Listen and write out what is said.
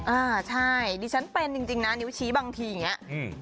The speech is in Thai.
อ่าใช่ดิฉันเป็นจริงนะนิ้วชี้บางทีอย่างนี้